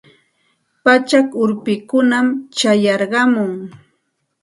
Pachak urpikunam chayarqamun.